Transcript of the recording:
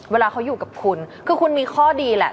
เวลาเขาอยู่กับคุณคือคุณมีข้อดีแหละ